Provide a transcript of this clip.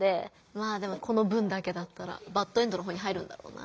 まあでもこの文だけだったらバッドエンドの方に入るんだろうな。